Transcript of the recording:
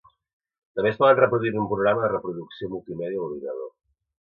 També es poden reproduir en un programa de reproducció multimèdia a l'ordinador.